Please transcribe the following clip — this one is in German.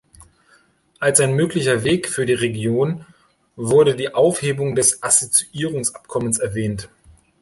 Als ein möglicher Weg für die Region wurde die Aufhebung des Assoziierungsabkommens erwähnt.